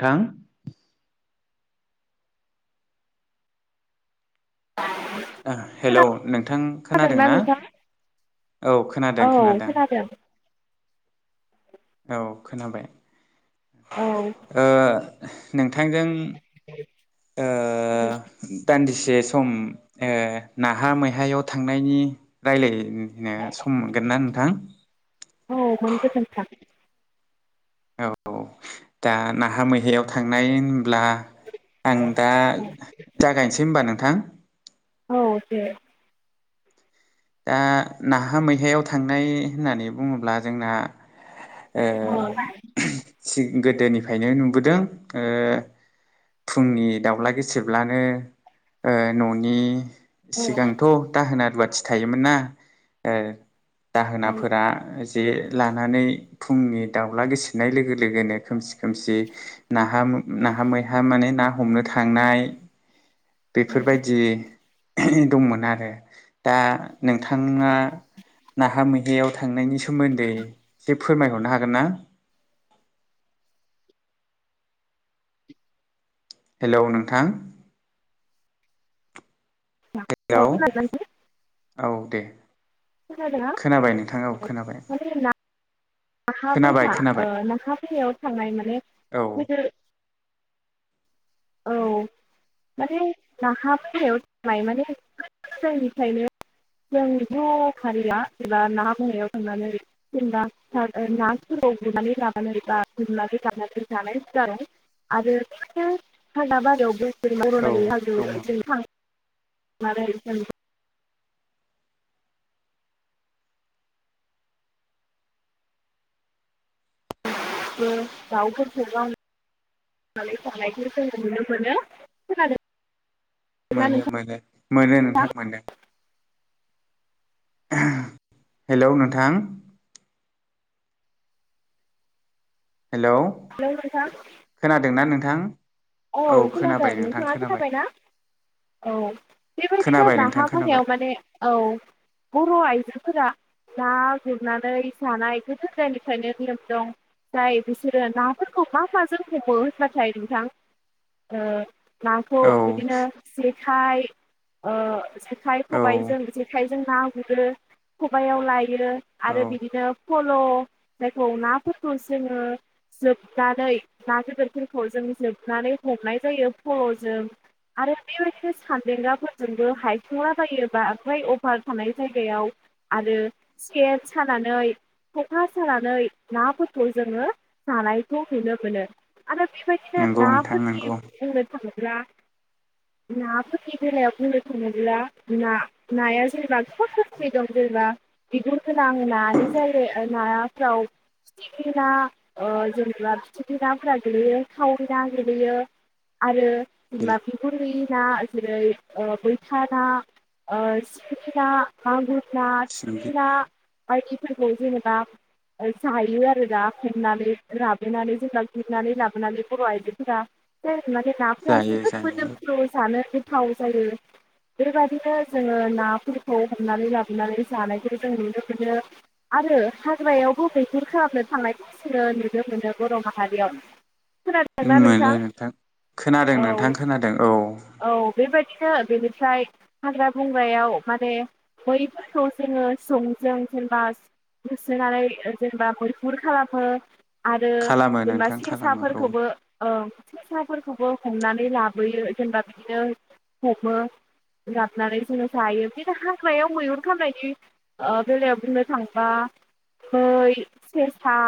थां। [inaudible] हेल' नों नोंथां खोनादों खोनादोंना ना नोंथां औ खोनादों खोनादों औ खोनाबाय औ ओ नों थांजों ओ दान्दि से सम ओ नाहा मैहायाव थांनायनि रायलाय नो सम मोनगोन ना नोंथां औ मोन गोजोन्थों औ दा नाहा मैहायाव थांनाय ब्ला आं दा जागायनोसै होनबा नों नोंथां औ दे दा नाहा मैहायाव थांनाय होननानै बुङोब्ला जोंना ओ औ औ सि गो दोनिफ्रायनो नुबोदों ओ फुंनि दाउला गेसेबलानो ओ न'नि औ सिगांथ' दाहोना [unintelligible] थायोमोन ना ओ दाहोनाफोरा जे लानानै फुंनि दाउला गोसेेरनाय लोगो लोगोनो खोमसि खोमसि नाहा नाहा मैहा माने ना हमनो थांनाय बेफोरबायदि दंमोन आरो दा नोंथाङा नाहा मैहायाव थांनायनि सोमोन्दै फोरमायहरनो हागोन ना हेलौ नोंथां हेलौ [unintelligible] औ दे खोनादोंना खोनाबाय नोंथां औ खोनाबाय नाहा खोनाबाय मैहा ओ खोनाबाय नाहा मैहायायाव थांनाय माने औ [unintelligible] औ माने नाहा मैहायाव थांनाय माने जोंनिफ्रायनो जों ज' फारिया जेनबा नाहा बायाव थांनानै जेनेबा नाफोराव गुरनानै लानानै बा गुरनानै गाननानै जानाय जादों आरो [unintelligible] औ दङ [unintelligible] माब दाउफोरखौ गावनानै थानायानायखौ जों नुनो मोनो। मोनो नोंथां मोनो मोनो नोंथां मोनो। हेल' नोंथां। हेलौ हेलौ नोंथां खोनादोंना नों? थां औ खोनादों नोंथाङा खोनाबायना? औ बेबायदिनो खोनाबाय नोंथां नाहा खोनाबाय बायाव माने औ बर' आइ बिफोरा ना गुरनानै जानाय गोदो गोदायनिफ्रायनो नियोम दं जाय बिसोरो नाफोरखौ मा माजों हमबावो होनबाथाय नोंथां। नाखौ औ बिदिनो जेखाइ जेखाइ औ खबाइजों जेखाइजों ना गुरो खबआव लायो औ आरो बिदिनो फल' जायखौ नाफोरखौ जोङो जोबनानै ना बेदरफोरखौ जों जोबनानै हमनाय जायो खर'जों आरो बेबायदिनो सानदेंग्राफोरजोंबो हायखंलाबायो बांद्राराय अभार थानाय जायगायाव आरो सट सानानै खखा सानानै नाफोरखौ जोङो जानायखौ नुनो मोनो। आरो बेबायदि नंगौ नोंथां नेम नंगौ ना [unintelligible] थ्ला नाफोरनि बेलायाव बुंनो थाङोब्लाा नाया जेनेबा खर ग दं जेनेबा बिगुर गोनां नानि जायग नाफोराव फिथिख्रि ना जेनेबा फिथिख्रि नाफोरा गोलैयो थाव ना। गैयो आरो बि मा भांगुर होयि ना जेरै बैथा ना सिंगि ना मागुर ना सिंगि थुरि ना खौ जेनेबा जायो आरो दा फनानै लाबोनानै जों खंनानै लाबोनानै बर' आइदि [unintelligible] माने नाफोरा जायो जोबोद जायो मोदोमफ्रु जानो। गो थाव जायो बेबायदिनो जोङो नाफोरखौ हमनानै लाबोनानै जानायखौ जों नुनो मोनो आरो हाग्रायावबो दैैखुर खालामनो थांनायखौ जोङो नुनो मोनो बर' माहारियाव। मोनो नोंथां खोनादों नोंथां खोनादों औ। बिनो बेनिफ्राय हाग्रा बंग्रायाव माने बैफोरखौ जोङो संजों जेनेबा होसोनानै जेनेबा मैहुर खालामो। आरो खालामो जेनेबा नोंथां खालामो औ सेसाफोरखौबो ससाफोरखौबो हमनानै लाबोयो जेनेबा बिदिनो हमो गाबनानै जोङो जायो बिदिनो हाग्रायाव मैहुर खामनायनि बेलायाव बुंनो थांबा फै सेरसा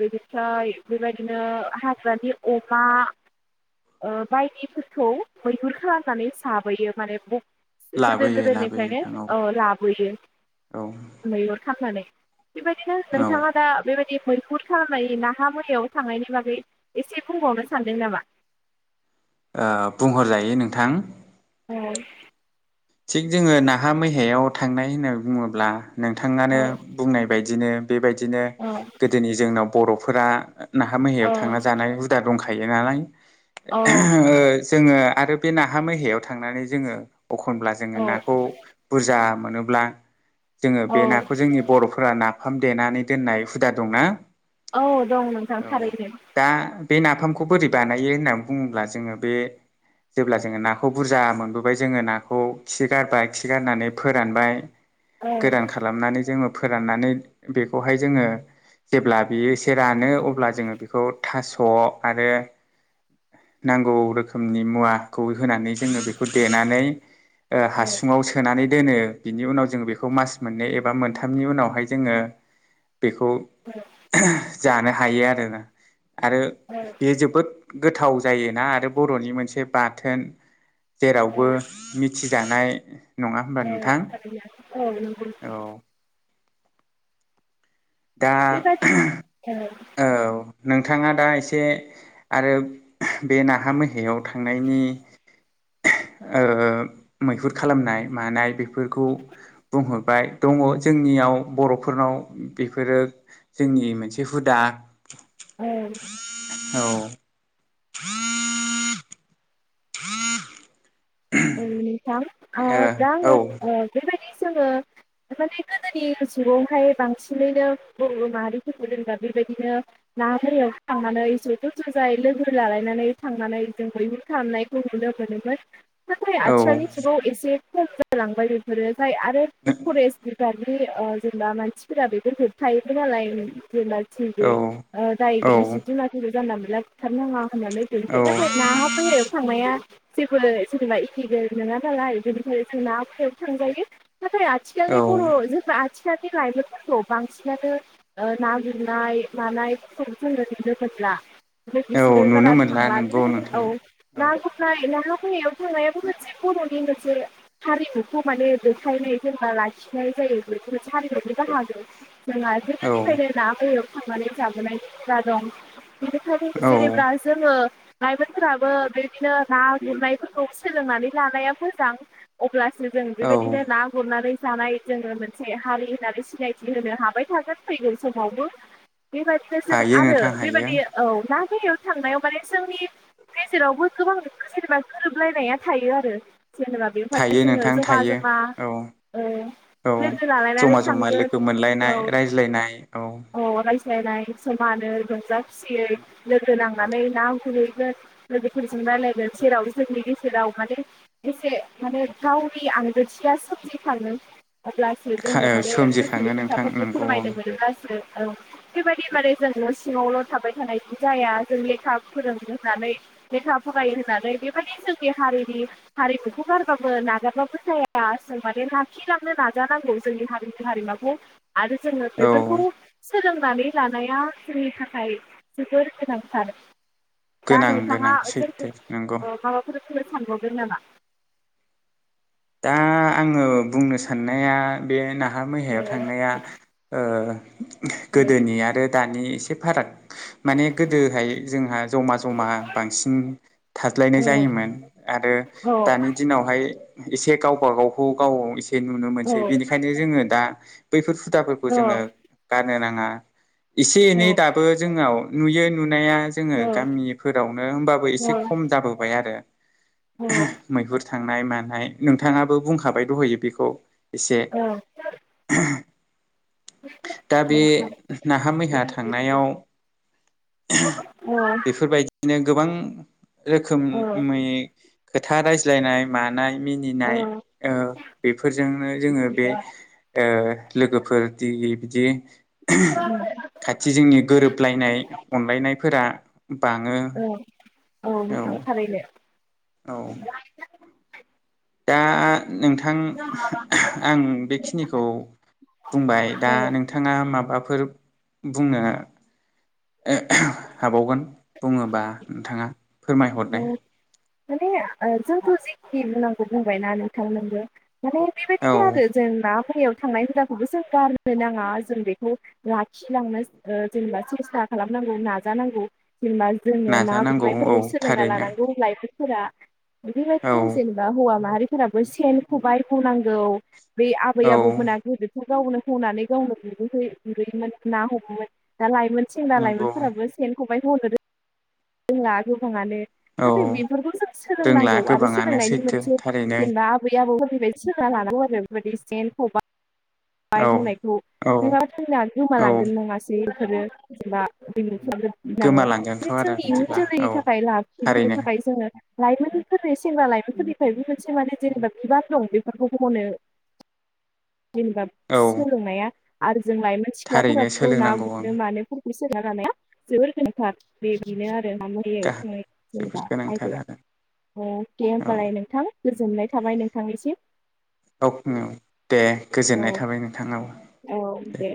बिनिफ्राय बेबायदिनो हाग्रानि अमा ओ बायदिफोरखौ मैहुर खालामनानै जाबोयो माने। गोदेर लाबोयो लाबोयो गोदेरनिफ्रायनो नोंथां औ लाबोयो औ मैगुर खांनानै बेबायदिनो औ ओ नोंथाङा दा बेबायदि मैफुर खालामनाय नाहा मैहायाव थांनायनि बागै एसे। बुंबावनो सानदों नामा? बुंहरजायो नोंथां। औ थिग जोङो नाहा मैहायाव थांनाय होनना बुङोब्ला। नोंथाङानो औ बुंनाय बायदि बिदिनो बेबायदिनो औ गोदोनि जोंनाव बर'फोरा नाहा मैहायाव थांना जानाय हुदा दं थाखायो नालाय औ जोङो आरो बे नाहा मैहायाव थांनानै जोङो अखा एखनब्ला जोङो औ नाखौ बुरजा मोनोब्ला जोङो औ बे नाखौ जोंनि बर'फोरा ना ओम देनानै दोननाय हुदा दंना औ दं नोंथां औ थारैनो दा बे नाफामखौ बोरै बानायो होननानै बुङोब्ला जोङो बे जेब्ला जोङो नाखौ बुरजा मोनबोबाय जोङो नाखौ खौ खि गारबाय खि गारनानै फोरानबाय औ गोदान खालामनानै जोङो फोराननानै बेखौहाय जोङो जेब्ला बेयो एसे रानो अब्ला जोङो बेखौ थास' आरो नांगौ रोखोमनि मुवाखौ होनानै जोङो बेखौ देनानै औ हासुङाव सोनानै दोनो बिनि उनाव जों बेखौ मास मोननै एबा मोनथामनि उनावहाय जोङो बेखौ जानो हायो आरोना आरो औ बेयो जोबोद गोथाव जायोना आरो बर'नि मोनसे बाथोन जेरावबो मिथिजानाय नङा होमबा नोंथां औ [unintelligible] दा बेबायदि औ नोंथाङा दा एसे आरो बे नाहा मैहायाव थांनायनि ओ मैहुर खालामनाय मानाय फोरखौ बुंह बाय दङ जोंनियाव बर'फोरनाव बेफोरो जोंनि मोनसे हुदा औ औ [inaudible] ओम नोंथां ओ औ [unintelligible] जोङो माने गोदोनि जुगावहाय बांसिनैनो बर' माहारिफोरखौ दोनग्रा बेबायदिनो नाफोरयाव थांनानै जथ' ज'जायै लोगो लालायनानै थांनानै जों मैहुर खालामनायखौ लोगोफोरोमोन माय [unintelligible] औ एसे खस्स जालांबाय बेफोरो जाय आरो फरेस्ट बिबार्टनिनि जेनेबा मानसिफोरा बेखौ होबथायायोबो नालाय औ जेनेबा डायग औ सिदि लाख जानला मानला बुथार नाङा [unintelligible] [unintelligible] जेनेबा एखे बो नोङा नालाय बेनिफ्रायनो जों ना हायाव थांजायो नाथाय औ आथिखालनि बर' ज' आथिखालनि लाइमोनफोरखौ बांसिनानो ना गुरनाय मानायफोरखौ जोङो लोगोब्ला ओमफ्राय औ बिसोरो नुनो बारा गो मोनला थांला नोंगौ बि औ नोंथां औ ना खौ‌ना [unintelligible] खंनायाबो मोनसे बर'नि मोनसे हारिमुखौ माने दोखायनाय सोरबा लाखिनाय जायो बेखौ मोनसे हारिमुनि बाहागो [unintelligible] औ मान जाबोन जेनेबा दं बिनिखायनो औ जेनेबा जोङो लाइमोनफोराबो बिदिनो ना गुरनायफोर सोलोंनानै लानाया मोजां अब्ला जों औ बेबायदिनो ना गुरनानै जानाय जोङो मोनसे हारि होननानै सिनायथि होनो हाबाय थागोन फैगौ समावबो बेबायदिनो जों हायो आरो नोंथां हायो बेबायदि औ ना याव थांनायाव माने जोंनि गेजेरावबो गोबां जेनेबा गोरोबलायनाया थायो आरो जेनेबा बेवहाय थायो जोङो नोंथां जमा थायो जमा औ औ औ लोगो लालायनानै जमा जमा थांगोन लोगो मोनलायनाय औ रायज्लायनाय औ रायलायनाय समोमानो रंजा खुसियै लोगो नांनानै ना गुरहैगोन लोगोफोरजों रायज्लायगोन सेराव जोंनि गेजेराव माने एसे माने गावनि आंगोथिया सोमजिखाङो अब्लासो जोङो माने गोसोनि सोमजिखाङो नोंथां खोथाफोरखौ नोंगौ फोरमायनो मोनब्लासो औ बेबायदि माने जोंङो सिङावल' थाबाय थानाय जाया जों लेखा फोरोंङो होननानै लेखा फरायायो होननानै माने जोंनि हारिनि हारिमुखौ गारबाबो नागारबाबो जाया जों माने लाखिलांनो नाजानांगौ जोंनि हारिनि हारिमाखौ आरो जोंङो औ बेफोरखौ सनानै लानाया जोंनि थाखाय जोबोर गोनांथार। दा गोनां नोंथाङा गोनां जोंखौ सैथो ओ नंगौ माबाफोर खनो सानबावदोंन नामा? दा आङो बुंनो साननाया बे ना हाहा औ मैहायाव थांनाया ओ गोदोनि आरो दानि एसे फाराग माने गोदोहाय जोंहा जमा जमा बांसिन थाज्लायनाय जायोमोन आरो औ दानि दिनावहाय एसे गावबा गावखौ गाव एसे जे नुनो औ मोनसै बेनिखायनो जोङो दा बैफोर [unintelligible] जाबोरखौ‌ औ जोङो गार नो नाङा एसे औ एनै दाबो जोंनाव नुयो नु मोननाया जोङो गामिफोरावनो होमबाबो एसे खम जाबोबाय आरो औ मैहुर थांनाय मानाय नोंथाङाबो बुंखाबाय दहयो बेखौ एसे [unintelligible] दा बे नाहा मैहा थांनायाव बेफोरबायदिनो गोबां औ रोखोमै खोथा रायज्लायनाय मानाय मिनिनाय ओ बेफोरजोंनो जोङो बे ओ लोगोफोर दि बिदि औ खाथि जोंनि गोरोबलायनाय फोरा बाङो औ नोंथां थारैनो औ दा नोंथां आं बेखिनिखौ बुंबाय औ दा नोंथाङा माबाफोर बुंनो हाबावगोन बुङोबा नोंथाङा [inaudible] औ फोरमायहरनाय माने जोंखौ जेखि होनांगौ बुंबायना नोंथांमोनबो माने औ बेबायदि आरो जोंना हारियाव थांनाय हुदाखौबो जों गारनो नाङा जों बेखौ लाखिलांनो जेनेबा सेस्था खालामनांगौ नाजानांगौ जेनेबा जोंना ना नाजानांगौ औ सोंलोंना थारैनो लानांगौ लाइभ फोरा बिदिबाय औ जेनेबा हौवा माहारि फोराबो सेन खबाइखौ नांगौ बे आबै औ आबौमोना गोदोथ' गावनो हनानै गावनो गुहै गुहैयोमोन ना हमोमोन ना ला मोन सेंग्रा नंगौ लाइमोनफोराबो सेन खबायखौ ह [unintelligible] नो जोंहा थाङा ने औ नाथाय बेफोरखौ जों रोंला सोलोंनांगौ आरो गोबाङानो सोलोंनायनि सैथो मोनसे थारैनो जेनेबा आबै-आबौ बेबायदि सना लानांगौ आरो बेफोरबायदि सेन खबा बाय औ बुंनायखौ औ नोंहा जोंना औ गोमालांगोन नङासै [unintelligible] गोमालांगोनथ' [unintelligible] आरो जोंनि इयुन बिदिबा जोलैनि औ थाखाय फाय लाखिनो थारैनो थाखाय जोङो लाइमोनफोरनि सेंबा लाइमोनफोरनिफ्रायबो मोनसे माने जेनेबा बिबार दं बेफोरखौ हमनो जेनेबा औ सोलोंनाया आरो जों लाइमोन थारैनो सिख्लाफोर ना सोलोंनांगौ आं गुरनो मानोफोरखौ जोबोर गोनांथार बेनो आरो दा जेनेबा जोबोद गोनांथार आयदाया आरो अके औ होनोमबालाय नोंथां गोजोननाय थाबाय नोंथांनिसिम अक दे औ गोजोननाय थाबाय नोंथांनाबो दे